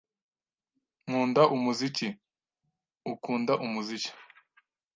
Nkunda umuziki. Ukunda umuziki?